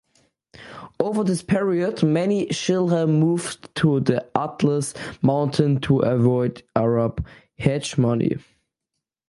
Over this period, many Shilha moved to the Atlas Mountains to avoid Arab hegemony.